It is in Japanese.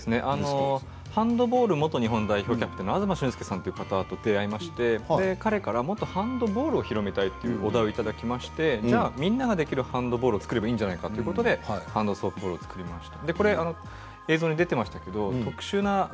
ハンドボール元日本代表の東俊介さんという方と出会いまして、彼からハンドボールを広めたいということをいただいてみんなができるハンドボールを作ればいいということでハンドソープボールを作りました。